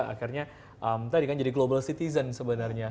akhirnya tadi kan jadi global citizen sebenarnya